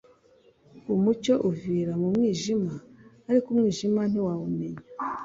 «Umucyo uvira mu mwijima, ariko umwijima ntiwawumenya. "»